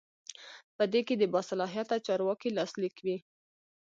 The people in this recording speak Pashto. په دې کې د باصلاحیته چارواکي لاسلیک وي.